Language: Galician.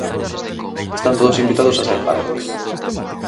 Están todos invitados a ser parte.